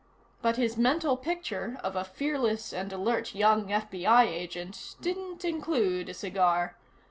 But his mental picture of a fearless and alert young FBI agent didn't include a cigar.